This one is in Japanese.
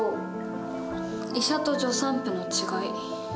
医者と助産婦の違い。